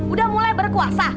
udah mulai berkuasa